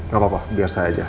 gak apa apa biar saya aja